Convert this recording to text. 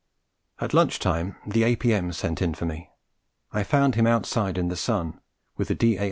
At lunch time the A.P.M. sent in for me. I found him outside in the sun, with the D.A.